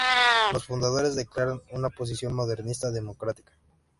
Sus fundadores declaran una posición modernista democrática.